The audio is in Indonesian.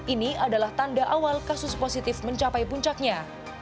ini adalah tanda awal kasus positif mencapai puncaknya